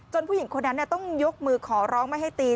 ผู้หญิงคนนั้นต้องยกมือขอร้องไม่ให้ตี